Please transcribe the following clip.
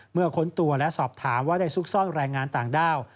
ค้นตัวและสอบถามว่าได้ซุกซ่อนแรงงานต่างด้าว